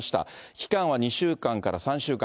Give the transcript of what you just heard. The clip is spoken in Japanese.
期間は２週間から３週間。